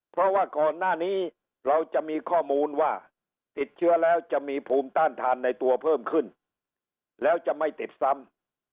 เพราะว่าก่อนหน้านี้เราจะมีข้อมูลว่าติดเชื้อแล้วจะมีภูมิต้านทานในตัวเพิ่มขึ้นแล้วจะไม่ติดซ้ำ